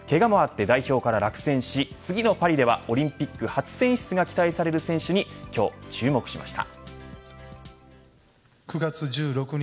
けがもあって代表から落選し次のパリではオリンピック初選出が期待される選手に今日、注目しました。